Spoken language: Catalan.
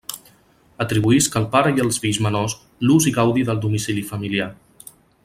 Atribuïsc al pare i als fills menors l'ús i gaudi del domicili familiar.